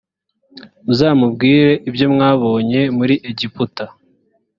muzamubwire ibyo mwabonye muri egiputa